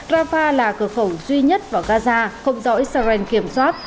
rafah là cửa khẩu duy nhất vào gaza không do israel kiểm soát